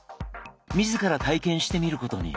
自ら体験してみることに。